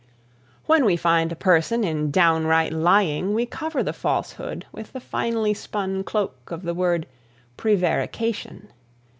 When we find a person in downright lying we cover the falsehood with the finely spun cloak of the word prevarication.